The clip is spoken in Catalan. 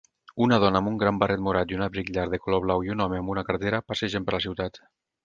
Una dona amb un gran barret morat i un abric llarg de color blau i un home amb una cartera passegen per la ciutat